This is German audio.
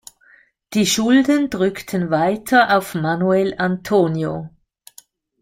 Die Schulden drückten weiter auf Manuel António.